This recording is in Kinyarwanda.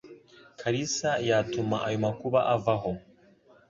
Kalisa yatuma ayo makuba avaho.